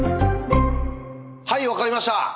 はい分かりました。